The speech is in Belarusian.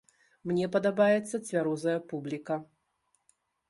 Мне падабаецца цвярозая публіка!